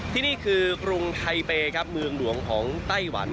ที่นี่คือกรุงไทเปย์ครับเมืองหลวงของไต้หวัน